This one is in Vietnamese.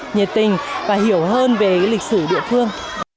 nhiệt tình và hiểu hơn về lịch sử địa phương